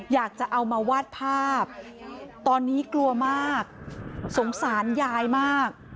อยากจะเอามาวาดภาพตอนนี้กลัวมากสงสารยายมาก